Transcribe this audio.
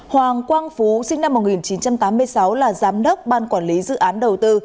hoàng quang phú sinh năm một nghìn chín trăm tám mươi sáu là giám đốc ban quản lý dự án đầu tư